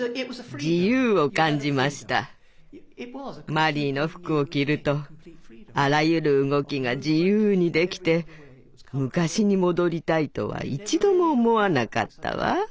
マリーの服を着るとあらゆる動きが自由にできて昔に戻りたいとは一度も思わなかったわ。